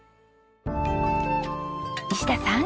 西田さん。